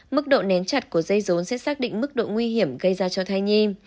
mức độ nến chặt của dây rốn sẽ xác định mức độ nguy hiểm gây ra cho thai nhi